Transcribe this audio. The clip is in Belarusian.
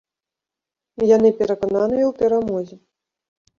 Яны перакананыя ў перамозе.